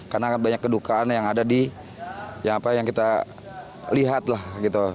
karena banyak kedukaan yang ada di yang apa yang kita lihat lah gitu